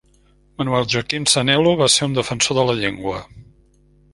Manuel Joaquim Sanelo va ser un defensor de la llengua.